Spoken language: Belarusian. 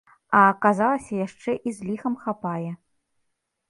А аказалася, яшчэ і з ліхам хапае!